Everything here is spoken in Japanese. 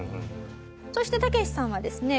そしてタケシさんはですね